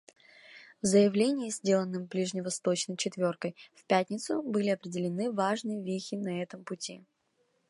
В заявлении, сделанным ближневосточной «четверкой» в пятницу, были определены важные вехи на этом пути.